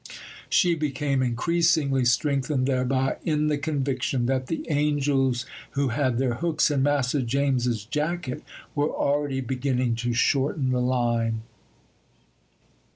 She became increasingly strengthened thereby in the conviction that the angels who had their hooks in Massa James's jacket were already beginning to shorten the line.